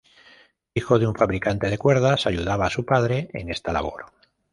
Hijo de un fabricante de cuerdas, ayudaba a su padre en esta labor.